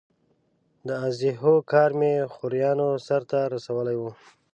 د اضحیو کار مې خوریانو سرته رسولی و.